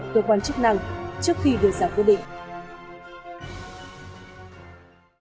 của cơ quan chức năng trước khi được giả quyết định